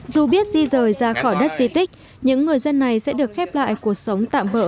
dù biết di rời ra khỏi đất di tích những người dân này sẽ được khép lại cuộc sống tạm bỡ